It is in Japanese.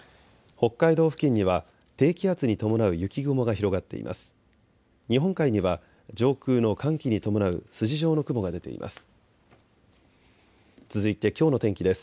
北海道付近には低気圧に伴う雪雲が広がっています。